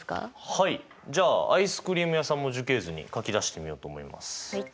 はいじゃあアイスクリーム屋さんも樹形図に書き出してみようと思います。